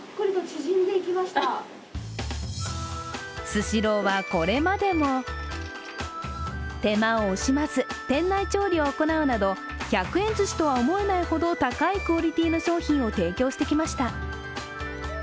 スシローはこれまでも、手間を惜しまず店内調理を行うなど１００円ずしとは思えないほど高いクオリティの商品を提供してきました。